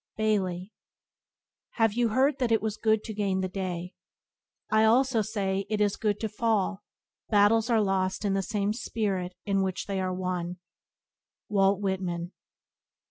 —Bailey. "Have you heard that it was good to gain the day? I also say it is good to fall, battles are lost in the same spirit in which they are won." — Walt Whitman.